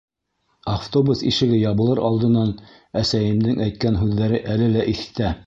Автобус ишеге ябылыр алдынан әсәйемдең әйткән һүҙҙәре әле лә иҫтә: